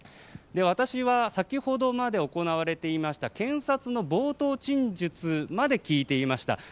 私は先ほどまで行われていた検察の冒頭陳述まで聞いていました。